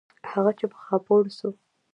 هغه چې په خاپوړو سو.